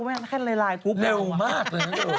ไม่เข้นอะไรไลน์กรุ๊ปเราเองทำไมก็เลยลูบกลัวเร็วมากเร็ว